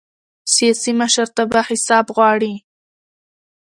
سیاسي مشرتابه حساب غواړي